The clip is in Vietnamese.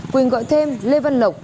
quỳnh gọi thêm lê văn lộc